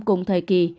cùng thời kỳ